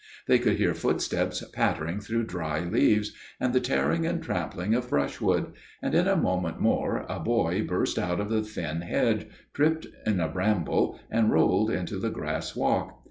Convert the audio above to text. They could hear footsteps pattering through dry leaves, and the tearing and trampling of brushwood; and in a moment more a boy burst out of the thin hedge, tripped in a bramble, and rolled into the grass walk.